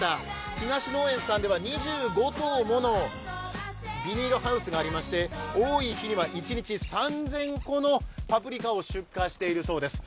東農園さんでは２５棟ものビニールハウスがありまして多い日には一日３０００個のパプリカを出荷しているそうです。